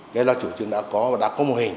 đấy là chủ trương đã có và đã có mô hình